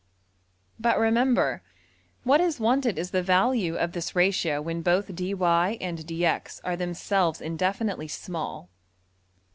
'' But, remember, what is wanted is the value of this ratio when both $dy$~and~$dx$ are themselves indefinitely small.